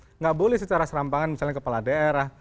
tidak boleh secara serampangan misalnya kepala daerah